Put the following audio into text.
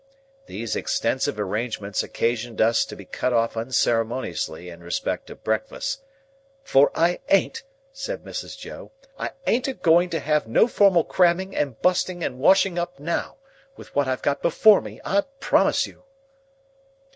These extensive arrangements occasioned us to be cut off unceremoniously in respect of breakfast; "for I ain't," said Mrs. Joe,—"I ain't a going to have no formal cramming and busting and washing up now, with what I've got before me, I promise you!"